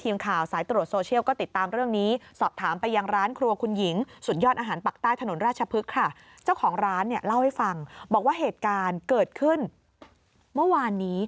เมื่อวานนี้ตอน๑๑โมงนะคะ